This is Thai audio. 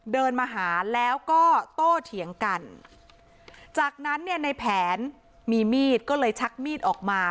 เดินมาหาแล้วก็โตเถียงกันจากนั้นเนี่ยในแผนมีมีดก็เลยชักมีดออกมา